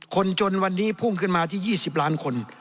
คนจนวันนี้พุ่งขึ้นมาที่๒๐ล้านคน